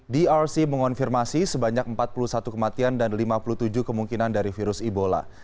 drc mengonfirmasi sebanyak empat puluh satu kematian dan lima puluh tujuh kemungkinan dari virus ebola